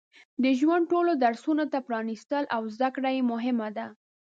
د ژوند ټولو درسونو ته پرانستل او زده کړه یې مهمه ده.